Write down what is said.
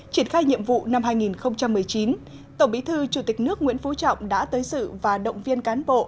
triển khai nhiệm vụ năm hai nghìn một mươi chín tổng bí thư chủ tịch nước nguyễn phú trọng đã tới sự và động viên cán bộ